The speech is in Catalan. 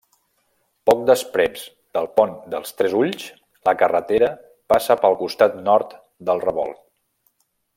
Poc després del Pont dels Tres Ulls, la carretera passa pel costat nord del Revolt.